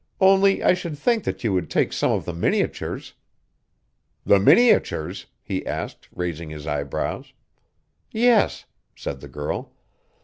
"Only I should think that you would take some of the miniatures." "The miniatures?" he asked, raising his eyebrows. "Yes," said the girl.